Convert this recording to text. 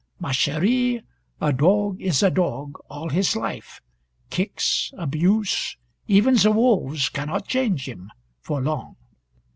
Ma cheri, a dog is a dog all his life. Kicks, abuse, even the wolves can not change him for long.